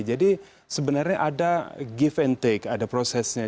jadi sebenarnya ada prosesnya